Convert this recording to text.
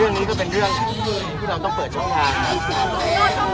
เรื่องนี้ก็เป็นเรื่องที่เราต้องเปิดช่องทางนะครับ